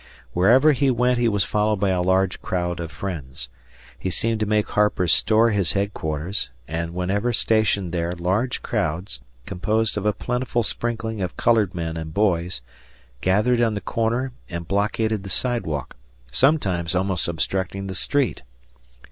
Wherever he went he was followed by a large crowd of friends. He seemed to make Harper's store his headquarters, and whenever stationed there large crowds, composed of a plentiful sprinkling of colored men and boys, gathered on the corner and blockaded the sidewalk, sometimes almost obstructing the street.